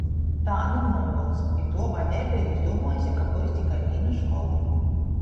Tān ir nūvods, i tuo vadeiba ir izdūmuojuse, ka byus tikai vīna škola.